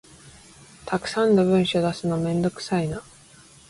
たくさんの文書出すのめんどくさいな